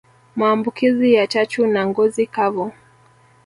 Maambukizi ya chachu na ngozi kavu